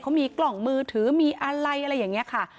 เขามีกล่องมือถือมีอะไรอะไรอย่างนี้ค่ะ